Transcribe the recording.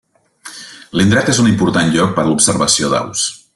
L'indret és un important lloc per a l'observació d'aus.